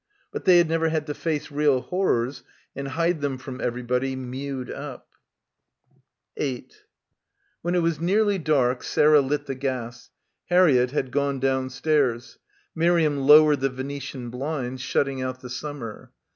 But they had never had to face real horrors and hide them from everybody, mewed up. 214 BACKWATER 8 When it was nearly dark Sarah lit the gas. Harriett had gone downstairs. Miriam lowered the Venetian blinds, shutting out the summer.